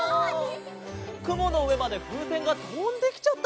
くものうえまでふうせんがとんできちゃったのかな？